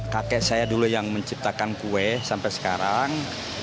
kakek saya dulu yang menciptakan kue sampai sekarang